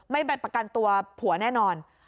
ไม่ไปประกันตัวผัวแน่นอน